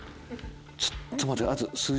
ちょっと待って。